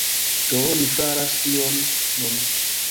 Do, mi faras tion nun